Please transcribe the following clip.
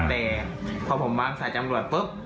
แต่พอผมวางสายจำรวจปุ๊บ